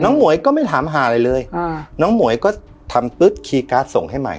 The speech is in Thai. น้องหมวยก็ไม่ถามหาอะไรเลยอ่าน้องหมวยก็ทำส่งให้ใหม่